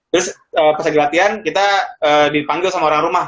terus pas lagi latihan kita dipanggil sama orang rumah